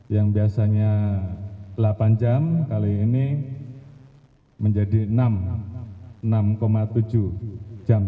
yang biasanya delapan jam kali ini menjadi enam tujuh jam